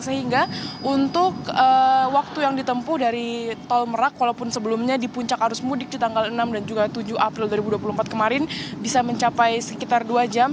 sehingga untuk waktu yang ditempuh dari tol merak walaupun sebelumnya di puncak arus mudik di tanggal enam dan juga tujuh april dua ribu dua puluh empat kemarin bisa mencapai sekitar dua jam